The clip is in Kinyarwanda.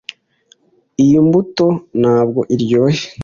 iyi mbuto ntabwo iryoshye.